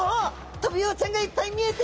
トビウオちゃんがいっぱい見えてきた！